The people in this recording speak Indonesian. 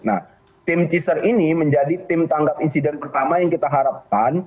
nah tim ciser ini menjadi tim tanggap insiden pertama yang kita harapkan